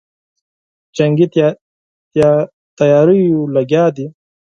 جنګي تیاریو لګیا دی.